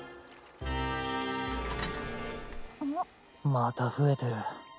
また増えてる。